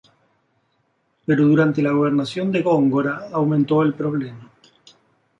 Pero durante la gobernación de Góngora aumento el "problema".